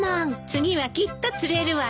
次はきっと釣れるわよ。